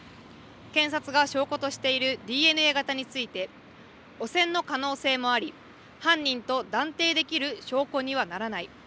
検察が証拠としているＤＮＡ型について、汚染の可能性もあり、犯人と断定できる証拠にはならない。